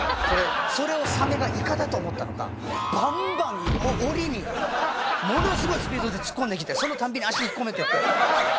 それをサメがイカだと思ったのかバンバン檻にものすごいスピードで突っ込んできてそのたんびに足引っ込めて。